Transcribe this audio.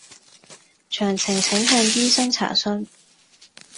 詳情請向醫生查詢